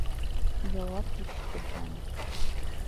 Яуап ишетелмәне.